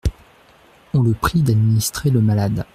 On le prie d'administrer le malade.